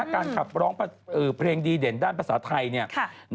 การขับร้องเพลงดีเด่นด้านภาษาไทย